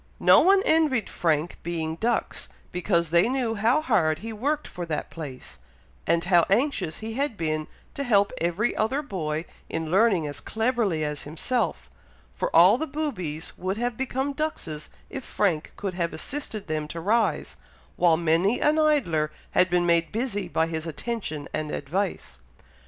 No one envied Frank being dux, because they knew how hard he worked for that place, and how anxious he had been to help every other boy in learning as cleverly as himself; for all the boobies would have become duxes if Frank could have assisted them to rise, while many an idler had been made busy by his attention and advice.